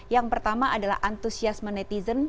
yang pertama adalah antusiasme netizen